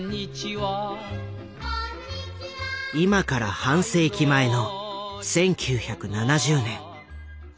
今から半世紀前の１９７０年。